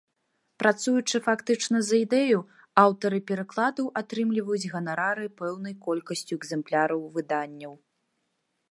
Працуючы фактычна за ідэю, аўтары перакладаў атрымліваюць ганарары пэўнай колькасцю экзэмпляраў выданняў.